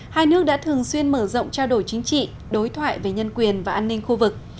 hai nước đã thường xuyên mở rộng trao đổi chính trị đối thoại về nhân quyền và an ninh khu vực